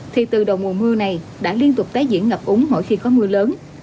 thì từ đầu mùa mưa này đã liên tục tái diễn ngập úng mỗi khi có mưa lớn